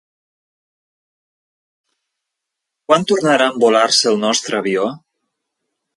Quan tornarà a envolar-se el nostre avió?